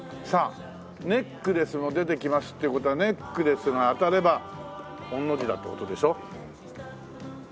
さあネックレスも出てきますっていう事はネックレスが当たれば御の字だって事でしょ？